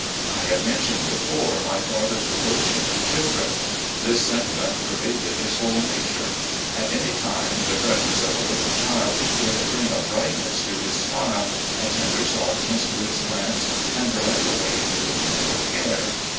I have mentioned before my father's devotion to chil dren. This sentiment pervaded his whole nature. At aiiy time the presence of a little child would bring a bright ness to his smile, a tender softness to his glance, and drive away gloom or care.